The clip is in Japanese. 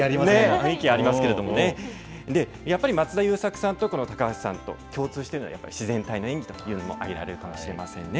雰囲気ありますけれどもね、やっぱり、松田優作さんと高橋さんと共通しているのは、やっぱり自然体の演技というのも挙げられるのかもしれませんね。